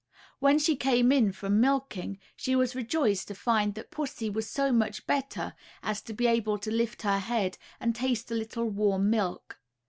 When she came in from milking, she was rejoiced to find that pussy was so much better, as to be able to lift her head and taste a little warm milk.